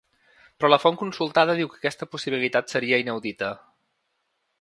Però la font consultada diu que aquesta possibilitat seria inaudita.